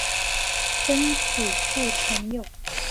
曾祖父陈友。